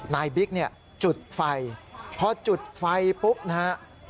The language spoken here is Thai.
นายบิ๊กจุดไฟเพราะจุดไฟปุ๊บนะครับ